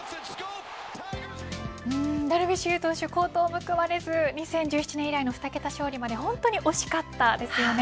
ダルビッシュ有投手好投報われず、２０１７年以来の２桁勝利まで本当に惜しかったですね。